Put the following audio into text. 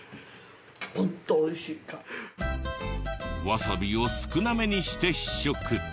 わさびを少なめにして試食。